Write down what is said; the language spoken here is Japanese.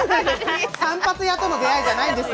散髪屋との出会いじゃないです。